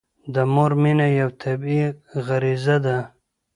د مور مینه یوه طبیعي غريزه ده.